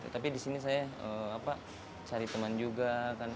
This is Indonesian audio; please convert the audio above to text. tapi disini saya cari teman juga kan